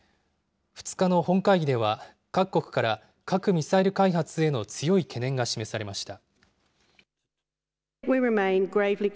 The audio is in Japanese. ２日の本会議では、各国から核・ミサイル開発への強い懸念が示されました。